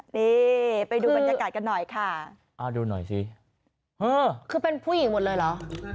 นี่ไปดูบรรยากาศกันหน่อยค่ะคือเป็นผู้หญิงหมดเลยเหรอ